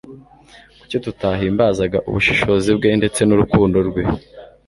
Kuki tutahimbaza ubushobozi bwe ndetse n'urukundo rwe?